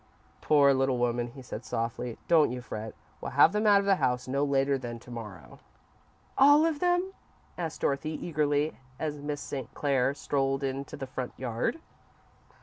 "Poor little woman," he said, softly; "don't you fret. We'll have them out of the house no later than to morrow." "All of them?" asked Dorothy, eagerly, as Miss St. Clair strolled into the front yard.